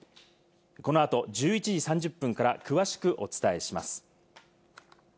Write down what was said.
この後、１１時３０分から詳しくお伝えします。